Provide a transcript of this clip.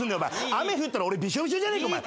雨降ったら俺びしょびしょじゃねえかお前。